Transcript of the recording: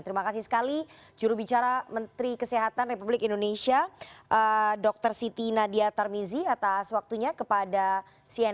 terima kasih sekali jurubicara menteri kesehatan republik indonesia dr siti nadia tarmizi atas waktunya kepada cnn indonesia